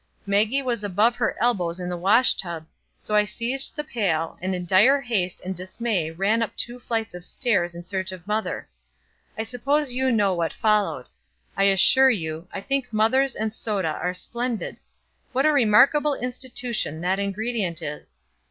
Maggie was above her elbows in the wash tub, so I seized the pail, and in dire haste and dismay ran up two flights of stairs in search of mother. I suppose you know what followed. I assure you, I think mothers and soda are splendid! What a remarkable institution that ingredient is.